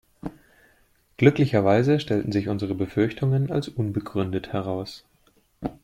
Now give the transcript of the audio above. Glücklicherweise stellten sich unsere Befürchtungen als unbegründet heraus.